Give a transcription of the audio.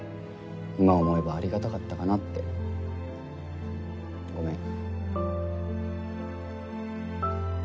今思えばありがたかったかなって。ごめん。